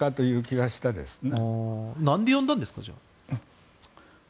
じゃあなんで呼んだんですか？